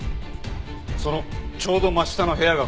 そのちょうど真下の部屋がここ。